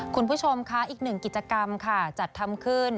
คุณผู้ชมค่ะอีกหนึ่งกิจกรรมค่ะจัดทำขึ้น